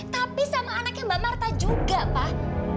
tapi sama anaknya mbak marta juga pak